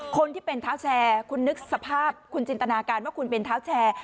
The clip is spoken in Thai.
คนที่เป็นเท้าแชร์คุณนึกสภาพคุณจินตนาการว่าคุณเป็นเท้าแชร์